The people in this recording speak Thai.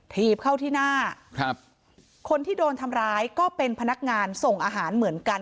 ถีบเข้าที่หน้าครับคนที่โดนทำร้ายก็เป็นพนักงานส่งอาหารเหมือนกัน